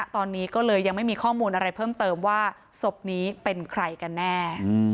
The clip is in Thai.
ตอนนี้ก็เลยยังไม่มีข้อมูลอะไรเพิ่มเติมว่าศพนี้เป็นใครกันแน่